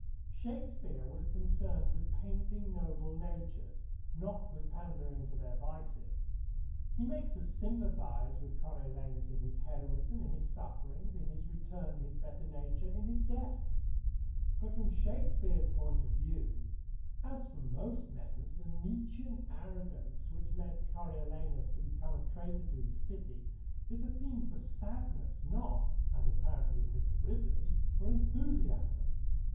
Shakespeare was concerned with painting noble natures, not with pandering to their vices. He makes us sympathize with Coriolanus in his heroism, in his sufferings, in his return to his better nature, in his death; but from Shakespeare's point of view, as from most men's the Nietzschean arrogance which led Coriolanus to become a traitor to his city is a theme for sadness, not (as apparently with Mr. Whibley) for enthusiasm.